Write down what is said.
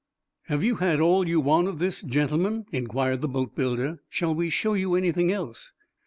"Have you had all you want of this, gentlemen?" inquired the boatbuilder. "Shall we show you anything else?"